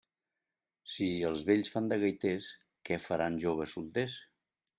Si els vells fan de gaiters, què faran joves solters?